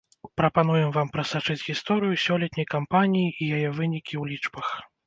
Прапануем вам прасачыць гісторыю сёлетняй кампаніі і яе вынікі ў лічбах.